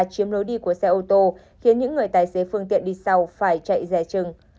chiếm lối đi của xe ô tô khiến những người tài xế phương tiện đi sau phải chạy rè trừng